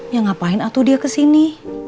ya ngapain atu dia kesini